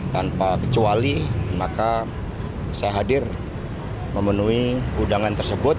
tanpa kecuali maka saya hadir memenuhi undangan tersebut